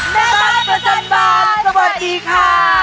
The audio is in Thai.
แม่บ้านประจำบานสวัสดีค่ะ